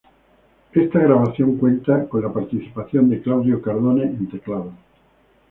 Esta grabación cuenta con la participación de Claudio Cardone en teclados.